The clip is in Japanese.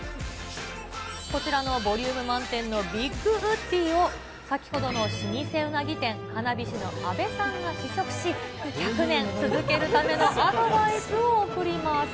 こちらのボリューム満点のビッグウッディーを、先ほどの老舗うなぎ店、花菱の阿部さんが試食し、１００年続けるためのアドバイスを送ります。